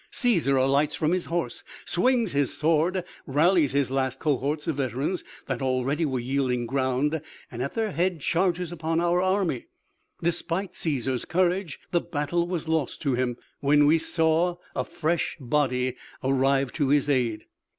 Cæsar alights from his horse, swings his sword, rallies his last cohorts of veterans, that already were yielding ground, and at their head charges upon our army. Despite Cæsar's courage the battle was lost to him, when we saw a fresh body arrive to his aid."